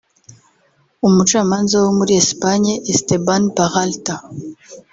umucamanza wo muri Espagne Esteban Peralta